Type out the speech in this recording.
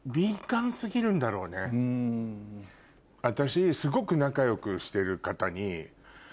私。